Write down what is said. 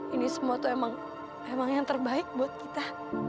ini semua itu memang yang terbaik buat kita